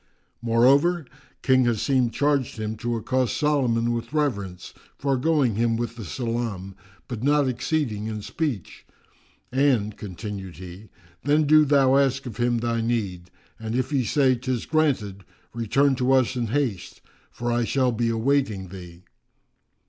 Moreover, King Asim charged him to accost Solomon with reverence, foregoing him with the salam, but not exceeding in speech; "and (continued he) then do thou ask of him thy need, and if he say 'tis granted, return to us in haste, for I shall be awaiting thee."